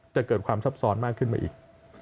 เกิดความซับซ้อนมากขึ้นมาอีก